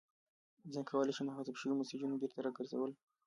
څنګه کولی شم د حذف شویو میسجونو بیرته راګرځول